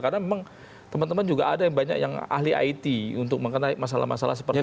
karena memang teman teman juga ada yang banyak yang ahli it untuk mengenai masalah masalah seperti itu